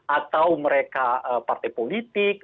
atau mereka partai politik